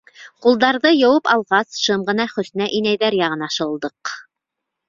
Ҡулдарҙы йыуып алғас, шым ғына Хөснә инәйҙәр яғына шылдыҡ.